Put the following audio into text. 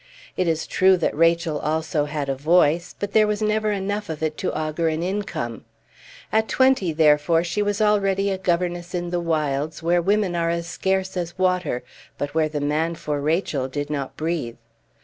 It is true that Rachel also had a voice; but there was never enough of it to augur an income. At twenty, therefore, she was already a governess in the wilds, where women are as scarce as water, but where the man for Rachel did not breathe.